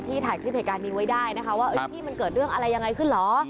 ถ่ายคลิปเหตุการณ์นี้ไว้ได้นะคะว่าพี่มันเกิดเรื่องอะไรยังไงขึ้นเหรอ